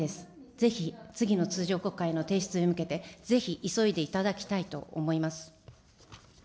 ぜひ次の通常国会の提出に向けて、ぜひ急いでいただきたいと思います。